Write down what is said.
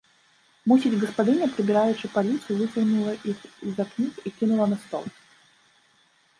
Мусіць, гаспадыня, прыбіраючы паліцу, выцягнула іх з-за кніг і кінула на стол.